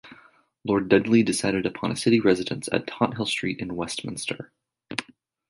Lord Dudley decided upon a city residence at Tothill Street in Westminster.